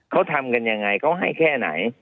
เขาทำกันยังไงเขาให้แค่ไหน